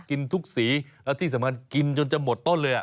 กินทุกสีแล้วที่สำคัญกินจนจะหมดต้นเลย